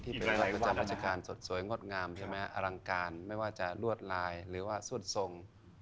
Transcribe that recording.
ที่เป็นวัดประจำราชการสดสวยงดงามอลังการไม่ว่าจะลวดลายหรือว่าสูดทรง